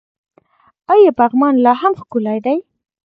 آیا پغمان لا هم ښکلی دی؟